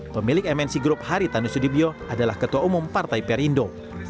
pemilik mnc group haritanu sudibyo adalah ketua umum partai perindo